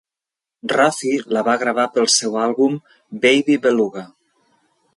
Raffi la va gravar pel seu àlbum "Baby Beluga".